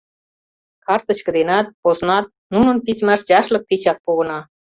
Картычке денат, поснат — нунын письмашт яшлык тичак погына.